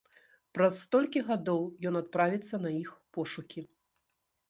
Праз столькі гадоў ён адправіцца на іх пошукі.